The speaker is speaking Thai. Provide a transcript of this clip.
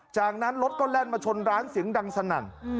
จากนั้นรถก็แล่นมาชนร้านเสียงดังสนั่น